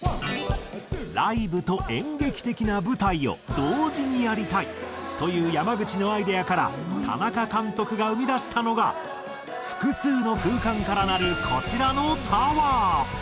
ライブと演劇的な舞台を同時にやりたいという山口のアイデアから田中監督が生み出したのが複数の空間からなるこちらのタワー。